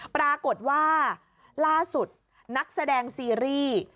ปรากฏว่าล่าสุดนักแสดงซีรีส์